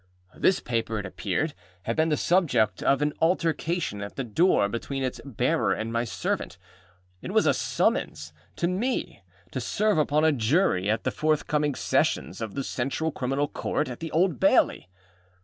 This paper, it appeared, had been the subject of an altercation at the door between its bearer and my servant. It was a summons to me to serve upon a Jury at the forthcoming Sessions of the Central Criminal Court at the Old Bailey.